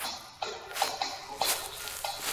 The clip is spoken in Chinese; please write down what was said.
秦始皇派大将蒙恬北逐匈奴取河南地。